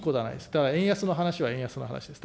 ただ円安の話は円安の話です。